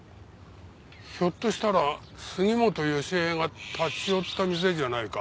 ひょっとしたら杉本好江が立ち寄った店じゃないか？